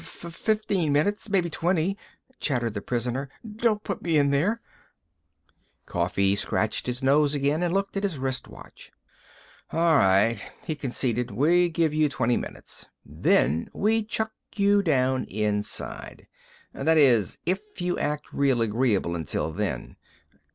"Fur fifteen minutes, maybe twenty," chattered the prisoner. "Don't put me in there!" Coffee scratched his nose again and looked at his wrist watch. "A'right," he conceded, "we give you twenty minutes. Then we chuck you down inside. That is, if you act real agreeable until then.